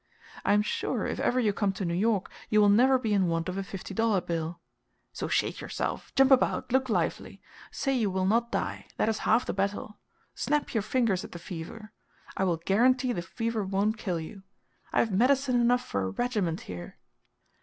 I am sure, if ever you come to New York, you will never be in want of a fifty dollar bill. So shake yourself; jump about; look lively. Say you will not die; that is half the battle. Snap your fingers at the fever. I will guarantee the fever won't kill you. I have medicine enough for a regiment here!"